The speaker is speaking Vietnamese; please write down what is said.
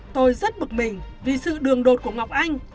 tôi rất bực mình vì sự đường đột của ngọc anh